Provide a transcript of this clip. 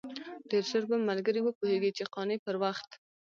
ډېر ژر به ملګري وپوهېږي چې قانع پر وخت.